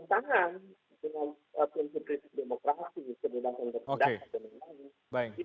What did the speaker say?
bagaimana institusi asing melepaskan